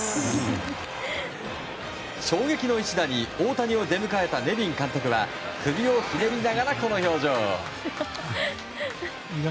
衝撃の一打に大谷を出迎えたネビン監督は首をひねりながらこの表情。